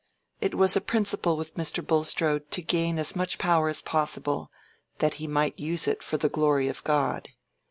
It was a principle with Mr. Bulstrode to gain as much power as possible, that he might use it for the glory of God.